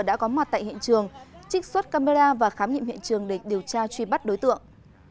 đã có mặt tại hiện trường trích xuất camera và khám nghiệm hiện trường để điều tra truy bắt đối tượng